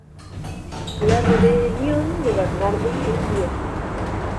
La rebelión de Bernardo se hundió.